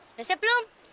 udah siap belum